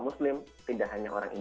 murid sollte di akhir akhir